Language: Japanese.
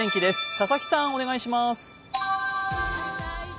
佐々木さん、お願いします。